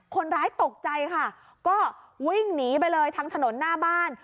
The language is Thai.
ตกใจค่ะก็วิ่งหนีไปเลยทางถนนหน้าบ้าน